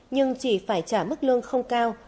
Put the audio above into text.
nhưng chỉ phải trả mức lương không cao